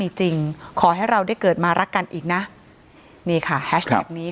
จริงขอให้เราได้เกิดมารักกันอีกนะนี่ค่ะแฮชแท็กนี้